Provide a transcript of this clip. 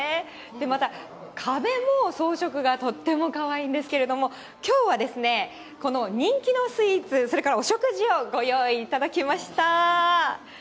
また壁も装飾がとってもかわいいんですけれども、きょうはですね、この人気のスイーツ、それからお食事をご用意いただきました。